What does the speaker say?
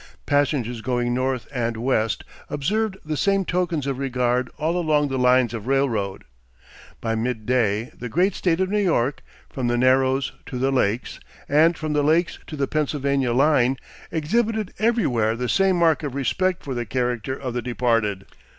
Passengers going north and west observed the same tokens of regard all along the lines of railroad. By mid day the great State of New York, from the Narrows to the lakes, and from the lakes to the Pennsylvania line, exhibited everywhere the same mark of respect for the character of the departed.